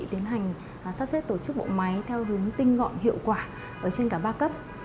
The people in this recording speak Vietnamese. tiến hành sắp xếp tổ chức bộ máy theo hướng tinh gọn hiệu quả trên cả ba cấp